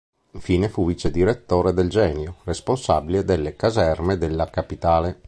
Infine fu vice direttore del genio, responsabile delle caserme della capitale.